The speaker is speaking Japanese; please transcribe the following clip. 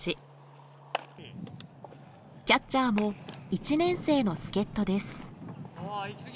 キャッチャーも１年生の助っ人です。